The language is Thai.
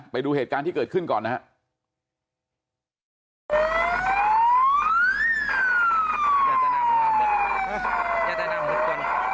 ไปดูเกิดขึ้นก่อนนะครับ